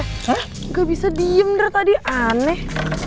nggak bisa diem der tadi aneh